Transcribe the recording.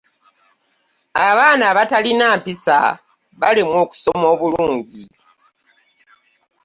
Abaana abatalina mpisa balemwa okusoma obulungi.